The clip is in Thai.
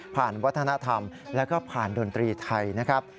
ผ่านวัฒนธรรมและผ่านดนตรีไทยนะครับ